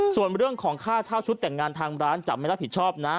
ส่วนเรื่องของค่าเช่าชุดแต่งงานทางร้านจะไม่รับผิดชอบนะ